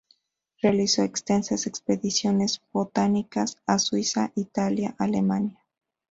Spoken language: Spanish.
Realizó extensas expediciones botánicas a Suiza, Italia, Alemania.